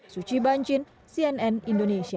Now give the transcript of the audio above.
suci banjin cnn indonesia